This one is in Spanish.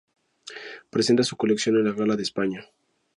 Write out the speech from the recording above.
Presenta su colección en la Gala de España.